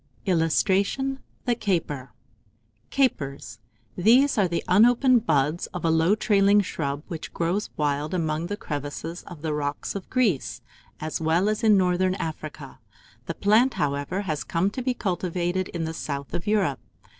[Illustration: THE CAPER.] CAPERS. These are the unopened buds of a low trailing shrub, which grows wild among the crevices of the rocks of Greece, as well as in northern Africa: the plant, however, has come to be cultivated in the south of Europe.